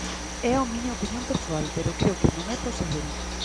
É a miña opinión persoal, pero creo que non é posíbel.